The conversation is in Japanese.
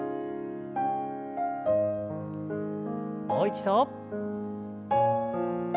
もう一度。